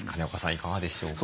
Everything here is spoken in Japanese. いかがでしょうか？